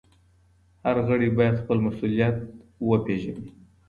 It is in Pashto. هر غړی بايد خپل مسؤليت پيژني.